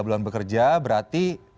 tiga bulan bekerja berarti